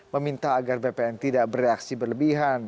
meminta agar bpn tidak bereaksi berlebihan